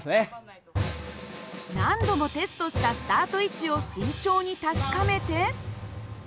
何度もテストしたスタート位置を慎重に確かめて。